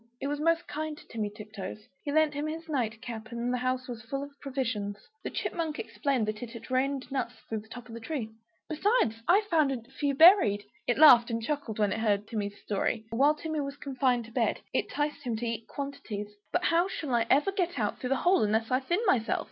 It was most kind to Timmy Tiptoes; it lent him its night cap; and the house was full of provisions. The Chipmunk explained that it had rained nuts through the top of the tree "Besides, I found a few buried!" It laughed and chuckled when it heard Timmy's story. While Timmy was confined to bed, it 'ticed him to eat quantities "But how shall I ever get out through that hole unless I thin myself?